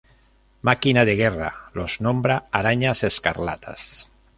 Máquina de Guerra los nombra Arañas Escarlatas.